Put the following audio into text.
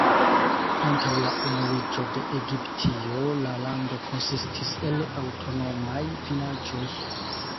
Antaŭ la unuiĝo de Egiptio, la lando konsistis el aŭtonomaj vilaĝoj.